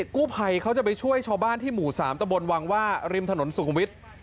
กู้ภัยเขาจะไปช่วยชาวบ้านที่หมู่๓ตะบนวังว่าริมถนนสุขุมวิทย์